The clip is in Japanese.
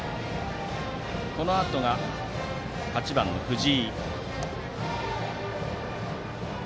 このあとが８番の藤井。